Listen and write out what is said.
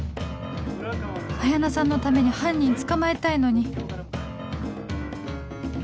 彩菜さんのために犯人捕まえたいのに